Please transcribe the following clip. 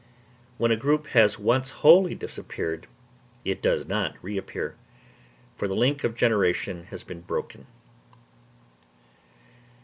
When a group has once wholly disappeared, it does not reappear; for the link of generation has been broken.